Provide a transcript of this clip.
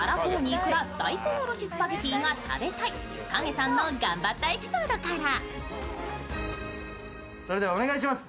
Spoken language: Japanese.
いくら大根おろしスパゲティが食べたいかげさんの頑張ったエピソードから。